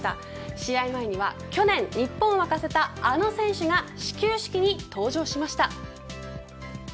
試合前には去年、日本を沸かせたあの選手が始球式に登場しました。